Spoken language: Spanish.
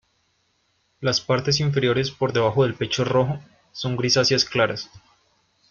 Las partes inferiores por debajo del pecho rojo son grisáceas claras.